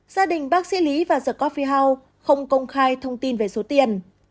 gia đình bác sĩ lý và the cophie house không công khai thông tin về số tiền